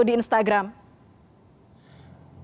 sejak kapan punya agenda itu